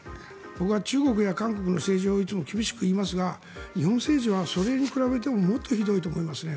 僕は中国や韓国の政治をいつも厳しく言いますが日本政治はそれに比べてももっとひどいと思いますね。